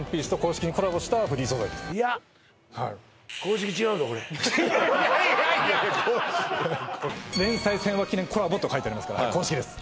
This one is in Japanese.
もうはいいやいやいや連載１０００話記念コラボと書いてありますから公式です